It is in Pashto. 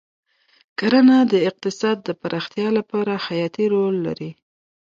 کرنه د اقتصاد د پراختیا لپاره حیاتي رول لري.